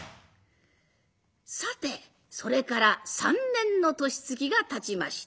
さてそれから３年の年月がたちました。